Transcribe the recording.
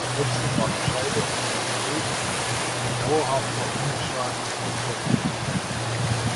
Trotzdem war die Scheidung von Grey ein dauerhafter Imageschaden für Chaplin.